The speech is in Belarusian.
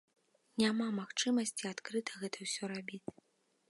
Няма магчымасці адкрыта гэта ўсё рабіць.